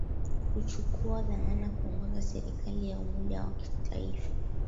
uchukua dhamana kuongoza serikali ya umoja wa kitaifa